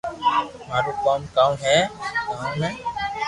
مارو ڪوم ڪاو ھي تو ۾